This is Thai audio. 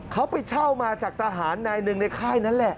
เขาไปเช่ามาจากทหารนายหนึ่งในค่ายนั้นแหละ